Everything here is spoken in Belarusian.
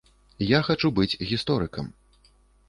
Я хачу быць гісторыкам.